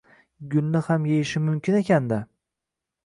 gulni ham yeyishi mumkin ekanda?